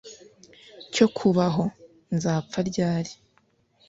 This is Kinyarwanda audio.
cyo kubaho! nzapfa ryari